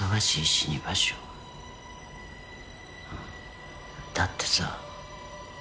うんだってさ